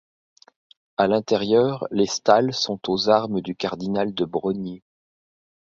A l'intérieur, les stalles sont aux armes du cardinal de Brogny.